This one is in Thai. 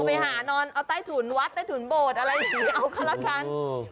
ไปหานอนเอาใต้ถุนวัดใต้ถุนโบสถ์อะไรอย่างนี้เอาก็ละกัน